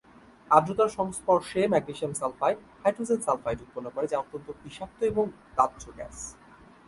আর্দ্রতার সংস্পর্শে magnesium sulphide, hydrogen sulphide উৎপন্ন করে যা অত্যন্ত বিষাক্ত এবং দাহ্য গ্যাস।